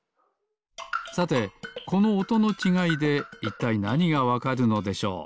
さてこのおとのちがいでいったいなにがわかるのでしょう？